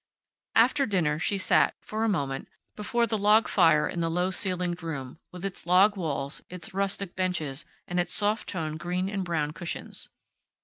After dinner she sat, for a moment, before the log fire in the low ceilinged room, with its log walls, its rustic benches, and its soft toned green and brown cushions.